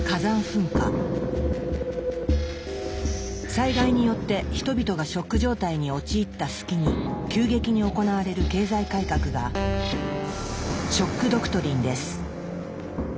災害によって人々がショック状態に陥った隙に急激に行われる経済改革が「ショック・ドクトリン」です。